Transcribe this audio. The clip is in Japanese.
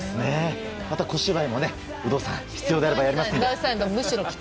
また小芝居も有働さん必要でしたらやりますよ。